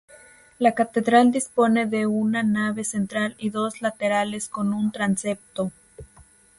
La catedral dispone de una nave central y dos laterales con un transepto.